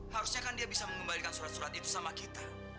harusnya kan dia bisa mengembalikan surat surat itu sama kita